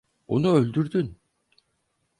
Onu öldürdün.